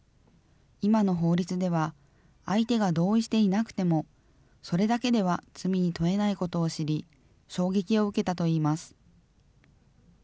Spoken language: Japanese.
今の法律では、相手が同意していなくても、それだけでは罪に問えないことを知り、衝撃を受けたといいます。